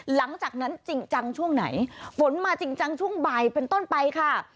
หลังจากนั้นจริงจังช่วงไหนฝนมาจริงจังช่วงบ่ายเป็นต้นไปค่ะ